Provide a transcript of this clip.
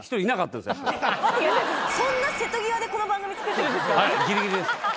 そんな瀬戸際でこの番組作ってるんですか？